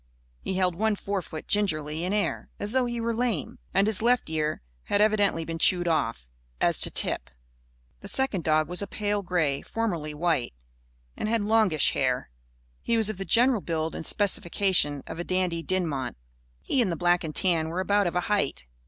He held one forefoot gingerly in air, as though he were lame. And his left ear had evidently been chewed off, as to tip. The second dog was a pale grey formerly white and had longish hair. He was of the general build and specifications of a Dandy Dinmont. He and the black and tan were about of a height.